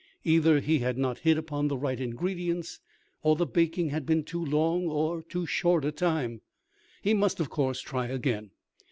Either he had not hit upon the right ingredients, or the baking had been too long or too short in time. He must of course try again.